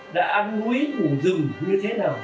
đã ăn uối ngủ rừng như thế nào